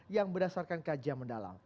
yang berdasarkan kajian mendalam